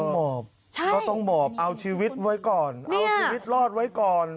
หมอบก็ต้องหมอบเอาชีวิตไว้ก่อนเอาชีวิตรอดไว้ก่อน